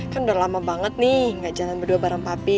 kan udah lama banget nih ngajakin berdua bareng papi